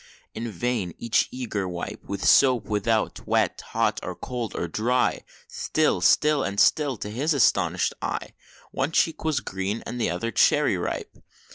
In vain each eager wipe, With soap without wet hot or cold or dry, Still, still, and still, to his astonished eye One cheek was green, the other cherry ripe!